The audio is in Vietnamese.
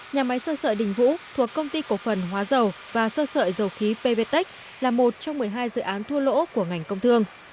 nhà máy sơ sợi đình vũ thuộc công ty cổ phần hóa dầu và sơ sợi dầu khí pvtec là một trong một mươi hai dự án thua lỗ của ngành công thương